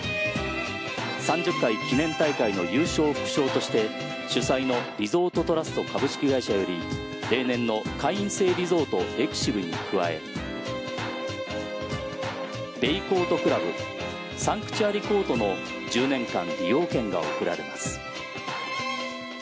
３０回記念大会の優勝副賞として主催のリゾートトラスト株式会社より例年の会員制リゾートエクシブに加えベイコート倶楽部サンクチュアリコートの１０年間利用権が贈られます。